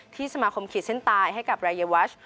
สมาคมขีดเส้นตายให้กับรายวัช